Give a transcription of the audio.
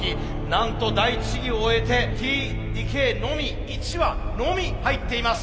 なんと第一試技を終えてＴ・ＤＫのみ１羽のみ入っています。